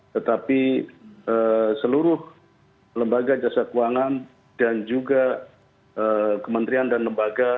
tetapi seluruh lembaga jasa keuangan dan juga kementerian dan lembaga